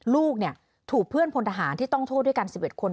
ลูกถูกเพื่อนพลทหารที่ต้องโทษด้วยกัน๑๑คน